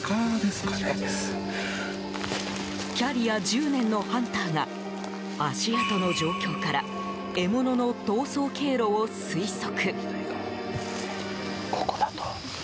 キャリア１０年のハンターが足跡の状況から獲物の逃走経路を推測。